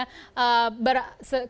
berpengalaman di dunia